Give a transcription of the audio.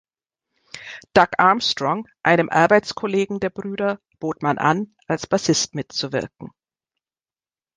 Doug Armstrong, einem Arbeitskollegen der Brüder bot man an, als Bassist mitzuwirken.